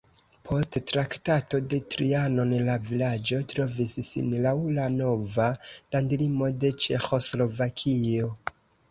Post Traktato de Trianon la vilaĝo trovis sin laŭ la nova landlimo de Ĉeĥoslovakio.